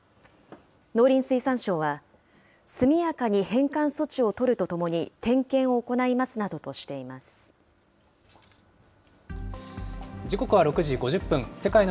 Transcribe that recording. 農林水産省は、速やかに返還措置を取るとともに、点検を行います時刻は６時５０分。